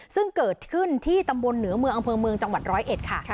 ซึ่งเกิดขึ้นที่ตำบลเหนือเมืองอำเภอเมืองจังหวัดร้อยเอ็ดค่ะ